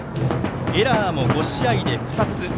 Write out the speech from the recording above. エラーも５試合で２つ。